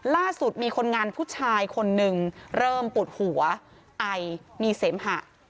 ล่าสุดมีคนงานผู้ชายคนหนึ่งเริ่มปวดหัวไอมีเสมหะ